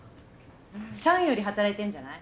社員より働いてんじゃない？